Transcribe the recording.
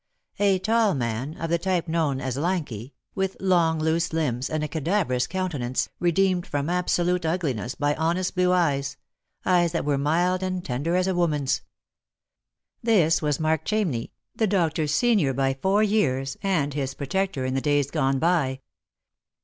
A tall man, of the type known as lanky, with long loose limbs and a cadaverous countenance, redeemed from absolute ugliness by honest blue eyes — eyes that were mild and tender as a woman's. This was Mark Chamney, the doctor's senior by four years, and his protector in the days gone by.